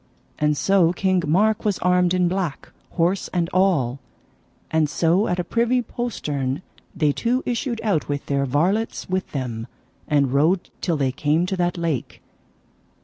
And so King Mark was armed in black, horse and all; and so at a privy postern they two issued out with their varlets with them, and rode till they came to that lake.